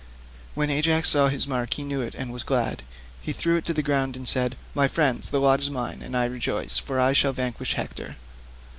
When Ajax saw his mark he knew it and was glad; he threw it to the ground and said, "My friends, the lot is mine, and I rejoice, for I shall vanquish Hector.